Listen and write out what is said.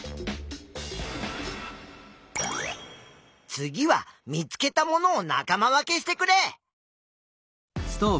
次は見つけたものを仲間分けしてくれ。